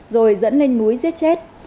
rồi dẫn lên núi giết chết